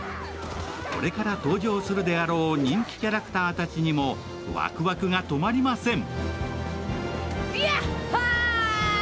これから登場するであろう人気キャラクターたちにもワクワクが止まりません。